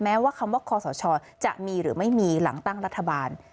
ว่าคำว่าคอสชจะมีหรือไม่มีหลังตั้งรัฐบาล